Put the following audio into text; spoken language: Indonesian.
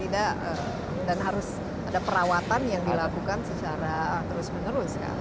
dan harus ada perawatan yang dilakukan secara terus menerus kan